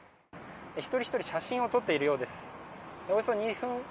一人ひとり写真を撮っているようです。